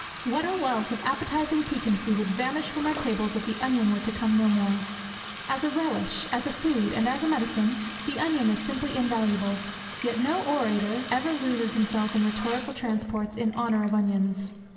What a wealth of appetizing piquancy would vanish from our tables if the onion were to come no more! As a relish, as a food, and as a medicine, the onion is simply invaluable; yet no orator ever loses himself in rhetorical transports in honour of onions!